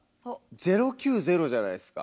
「０９０」じゃないっすか。